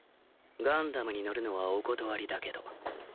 ガンダムに乗るのはお断りだけど。